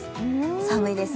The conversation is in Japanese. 寒いです。